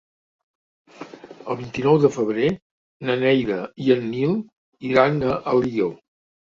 El vint-i-nou de febrer na Neida i en Nil iran a Alió.